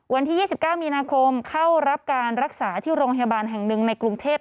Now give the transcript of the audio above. วันที่๒๙มีนาคมเข้ารับการรักษาที่โรงพยาบาลแห่งหนึ่งในกรุงเทพ